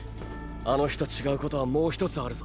あの日と違うことはもう一つあるぞ。